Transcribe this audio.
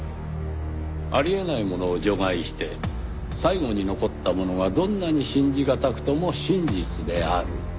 「あり得ないものを除外して最後に残ったものがどんなに信じがたくとも真実である」。